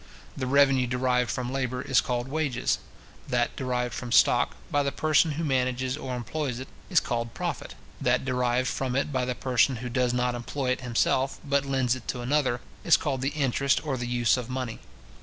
The revenue derived from labour is called wages; that derived from stock, by the person who manages or employs it, is called profit; that derived from it by the person who does not employ it himself, but lends it to another, is called the interest or the use of money.